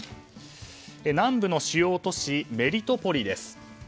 南部の主要都市メリトポリです。